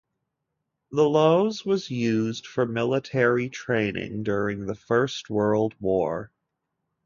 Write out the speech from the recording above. The Lowes was used for military training during the First World War.